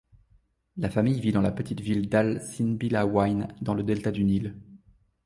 La famille vit dans la petite ville d'al-Sinbillawayn, dans le delta du Nil.